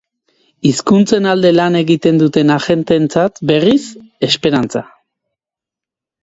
Hizkuntzen alde lan egiten duten agenteentzat, berriz, esperantza.